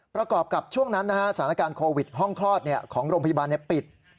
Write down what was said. ประกอบกับช่วงนั้นสถานการณ์โควิดห้องคลอดของโรงพยาบาลปิด